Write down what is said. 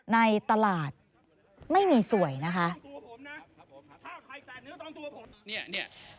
ในตลาดไม่มีสวยนะคะ